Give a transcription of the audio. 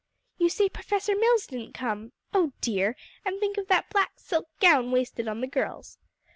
"You say Professor Mills didn't come oh dear! and think of that black silk gown wasted on the girls.